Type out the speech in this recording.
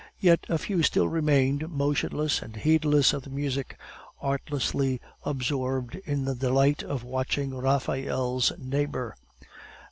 Yet a few still remained motionless and heedless of the music, artlessly absorbed in the delight of watching Raphael's neighbor.